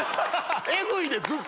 エグいでずっと。